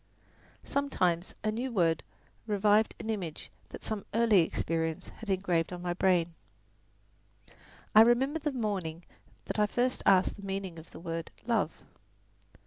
Sometimes a new word revived an image that some earlier experience had engraved on my brain. I remember the morning that I first asked the meaning of the word, "love."